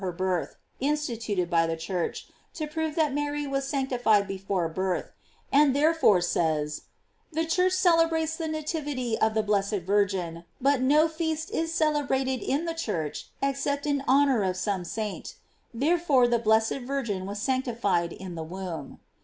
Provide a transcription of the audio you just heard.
307 of lier birth, instituted by the Church, to prort that Mary was sanctified before birth; and therefore says: The Church celebrates the na tivity of the blessed Virgin; but no feast is celebrated in the Church except in honor of some saint; therefore the blessed Virgin was sanctified in the womb.